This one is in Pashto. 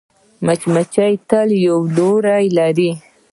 مچمچۍ تل یو لوری لري